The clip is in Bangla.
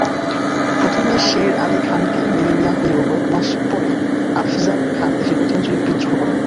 প্রথমে শের আলি খানকে মেনে নেয়া হলেও কয়েক মাস পরে আফজাল খান দেশের উত্তরাঞ্চলে বিদ্রোহ করেন।